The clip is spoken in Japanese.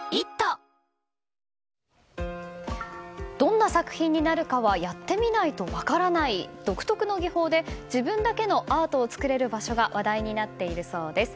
どんな作品になるかはやってみないと分からない独特の技法で自分だけのアートを作れる場所が話題になっているそうです。